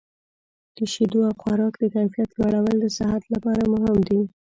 د شیدو او خوراک د کیفیت لوړول د صحت لپاره مهم دي.